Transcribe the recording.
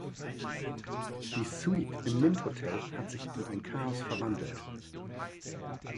Die Suite im Mint-Hotel hat sich in ein Chaos verwandelt.